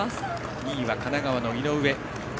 ２位は神奈川、井上。